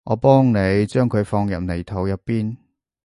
我幫你將佢放入泥土入邊